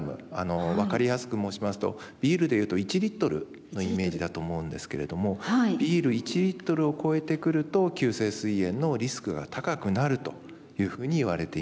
分かりやすく申しますとビールでいうと１リットルのイメージだと思うんですけれどもビール１リットルを超えてくると急性すい炎のリスクが高くなるというふうにいわれています。